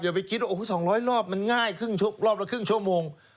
อย่าไปคิด๒๐๐รอบมันง่ายรอบละครึ่งชั่วโมง